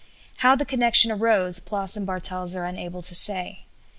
How the connection arose Ploss and Bartels are unable to say.